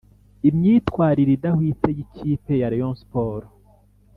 imyitwarire idahwitse y’ikipe ya rayon sports."